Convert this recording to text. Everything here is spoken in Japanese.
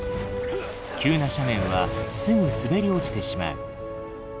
急な斜面はすぐ滑り落ちてしまう。